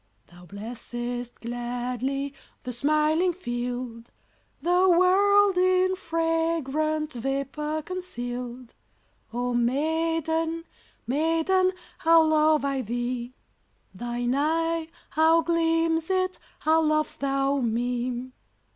Thou blessest gladly The smiling field, The world in fragrant Vapour conceal'd. Oh maiden, maiden, How love I thee! Thine eye, how gleams it! How lov'st thou me!